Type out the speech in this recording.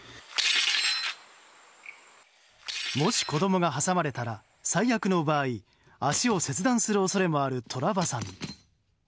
もし子供が挟まれたら最悪の場合、足を切断する可能性もあるトラバサミ。